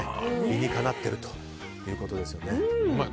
理にかなっているということですね。